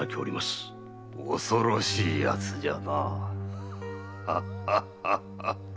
恐ろしい奴じゃな。